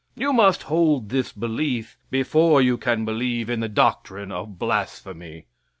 You must hold this belief before you can believe in the doctrine of blasphemy.